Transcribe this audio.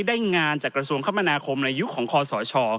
ได้งานจากกระทรวงคมนาคมในยุคของคอสช